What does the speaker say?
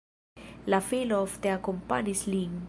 La filo ofte akompanis lin.